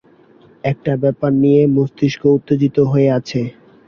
একটা ব্যাপার নিয়ে মস্তিষ্ক উত্তেজিত হয়ে আছে।